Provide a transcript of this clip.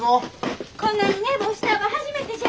こんなに寝坊したんは初めてじゃ。